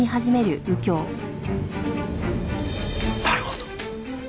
なるほど。